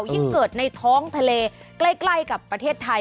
ยิ่งเกิดในท้องทะเลใกล้กับประเทศไทย